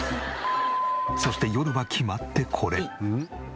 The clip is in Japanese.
そして夜は決まってこれ。